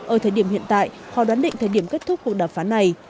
ở thời điểm hiện tại khó đoán định thời điểm kết thúc cuộc đàm phán này